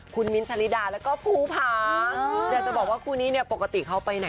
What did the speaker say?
คุณมิ้นท์ชะลิดาแล้วก็ภูผา